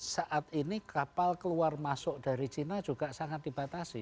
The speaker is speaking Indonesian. saat ini kapal keluar masuk dari china juga sangat dibatasi